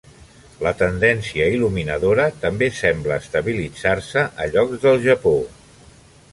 La tendència il·luminadora també sembla estabilitzar-se a llocs del Japó.